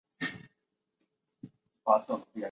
丁螺环酮用作血清素部分激动剂。